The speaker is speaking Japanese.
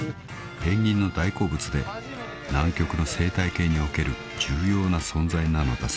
［ペンギンの大好物で南極の生態系における重要な存在なのだそうだ］